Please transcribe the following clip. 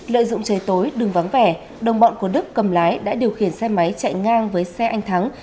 lợi dụng trời tối đường vắng vẻ đồng bọn của đức cầm lái đã điều khiển xe máy chạy ngang với xe anh thắng